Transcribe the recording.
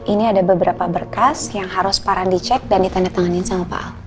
ini ada beberapa berkas yang harus paran dicek dan ditandatanganin sama pak ahok